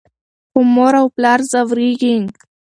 خو مور او پلار ځورېږي.